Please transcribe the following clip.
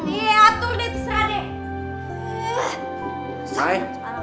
iya atur deh terserah deh